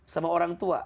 sama orang tua